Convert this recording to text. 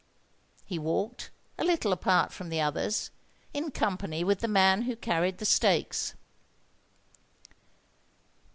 He walked, a little apart from the others, in company with the man who carried the stakes.